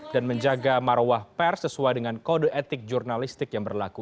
dan menjaga maruah pers sesuai dengan kode etik jurnalistik yang berlaku